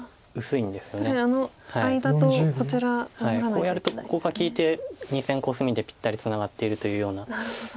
こうやるとここが利いて２線コスミでぴったりツナがってるというような。